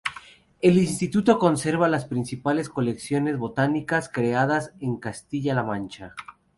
El instituto conserva las principales colecciones botánicas creadas en Castilla-La Mancha.